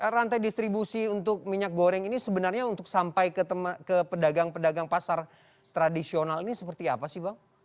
rantai distribusi untuk minyak goreng ini sebenarnya untuk sampai ke pedagang pedagang pasar tradisional ini seperti apa sih bang